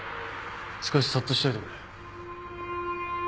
少しそっとしておいてくれ。